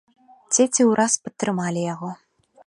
Дзеці ўраз падтрымалі яго.